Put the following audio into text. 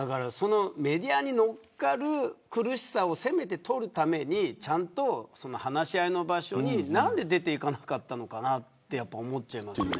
メディアに乗っかる苦しさをせめて取るためにちゃんと話し合いの場所に何で出ていかなかったのかなと思っちゃいますね。